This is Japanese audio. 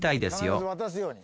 必ず渡すように。